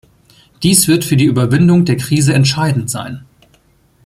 Dies wird für die Überwindung der Krise entscheidend sein.